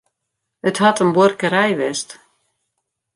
It hat in buorkerij west.